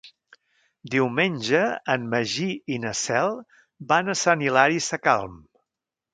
Diumenge en Magí i na Cel van a Sant Hilari Sacalm.